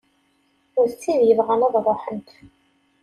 D tid yebɣan ad ruḥent.